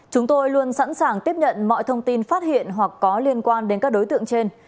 chúng tôi luôn sẵn sàng tiếp nhận mọi thông tin phát hiện hoặc có liên quan đến các đối tượng trên